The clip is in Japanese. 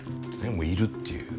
もういるっていう。